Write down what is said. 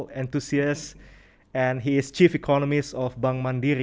dan dia adalah ekonomis utama bank mandiri